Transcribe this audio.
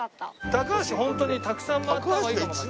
高橋ホントにたくさん回った方がいいかも。